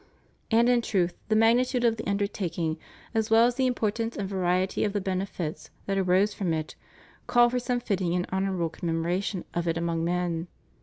And in truth the magnitude of the undertaking as well as the importance and variety of the benefits that arose from it, call for some fitting and honorable com memoration of it among men.